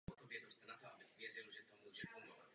Hlavní použití je výroba hnojiv.